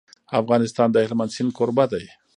افغانستان د هلمند سیند کوربه دی.